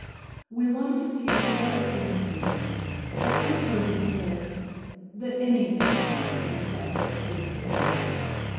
"We wanted to see you for ever so many reasons. Of course you understand that that any sum of money can be spent that the case may want."